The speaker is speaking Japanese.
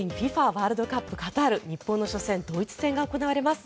ワールドカップカタール日本の初戦ドイツ戦が行われます。